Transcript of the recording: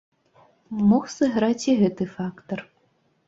Мог сыграць і гэты фактар.